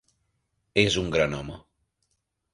És un gran home.